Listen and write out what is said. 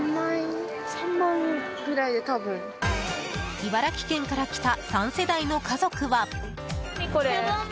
茨城県から来た３世代の家族は。